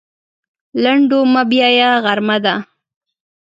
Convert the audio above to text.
لنډو مه بیایه غرمه ده.